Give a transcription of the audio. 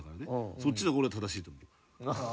そっちの方が俺は正しいと思う。